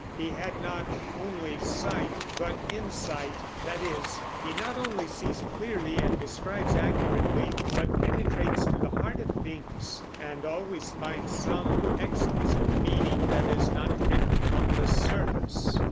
He had not only sight, but insight, that is, he not only sees clearly and describes accurately, but penetrates to the heart of things and always finds some exquisite meaning that is not written on the surface.